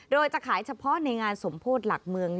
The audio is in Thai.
โดยจะขายเฉพาะในงานสมโพธิหลักเมือง